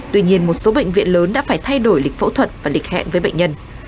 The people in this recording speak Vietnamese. tuy nhiên một số bệnh viện lớn đã phải thay đổi lịch phẫu thuật và lịch hẹn với bệnh nhân